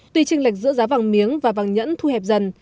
tuy tranh lệch giữa giá vàng miếng và vàng nhẫn thu hẹp dần